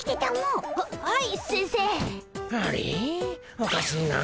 おかしいなあ。